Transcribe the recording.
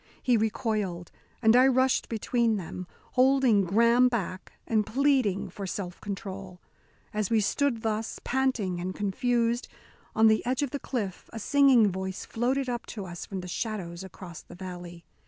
He recoiled, and I rushed between them, holding Graham back, and pleading for self control. As we stood thus, panting and confused, on the edge of the cliff, a singing voice floated up to us from the shadows across the valley.